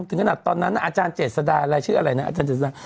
ถึงขณะตอนนั้นในอาจารย์เจสฎาอะไรชื่ออะไรอาจารย์เจสฎา